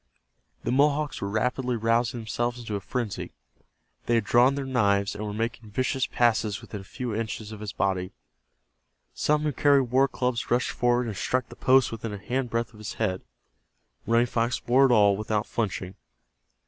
The Mohawks were rapidly rousing themselves into a frenzy. They had drawn their knives, and were making vicious passes within a few inches of his body. Some who carried war clubs rushed forward and struck the post within a handbreadth of his head. Running Fox bore it all without flinching.